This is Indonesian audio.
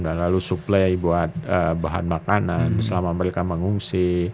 dan lalu supply buat bahan makanan selama mereka mengungsi